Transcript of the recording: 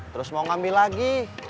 terus mau ngambil lagi